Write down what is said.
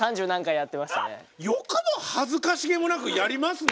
よくも恥ずかしげもなくやりますね。